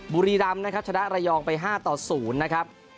บุรีรำนะครับชนะระยองไป๕ต่อ๐นะครับ